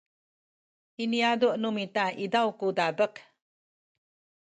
i niyazu’ nu mita izaw ku dabek